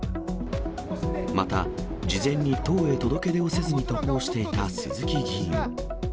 また、事前に党へ届け出をせずに渡航していた鈴木議員。